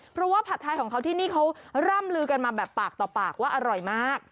เพราะว่าผัดไทยของเขาที่นี่เขาร่ำลือกันมาแบบปากต่อปากว่าอร่อยมาก